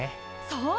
そう！